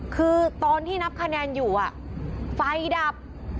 คือตอนที่นับคะแนนอยู่ไฟดับ